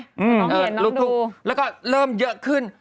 น้องเห็นน้องดูแล้วก็เริ่มเยอะขึ้น